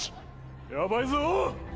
やばいぞ。